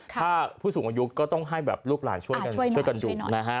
ถ้าผู้สูงอายุก็ต้องให้ลูกหลานช่วยกันอยู่